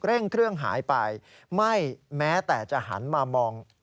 เร่งเครื่องหายไปไม่แม้แต่จะหันมามอง